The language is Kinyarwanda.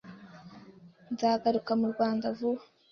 nzagaruka mu Rwanda vuba